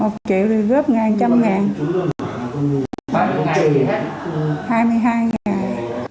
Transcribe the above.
một triệu thì góp ngày một trăm linh ngàn hai mươi hai ngày